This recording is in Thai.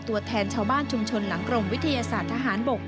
ตัวแทนชาวบ้านชุมชนหลังกรมวิทยาศาสตร์ทหารบก